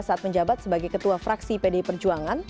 saat menjabat sebagai ketua fraksi pdi perjuangan